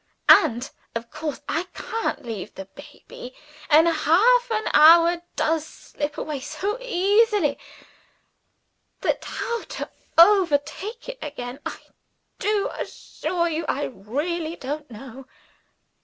And of course I can't leave the baby. And half an hour does slip away so easily, that how to overtake it again, I do assure you I really don't know."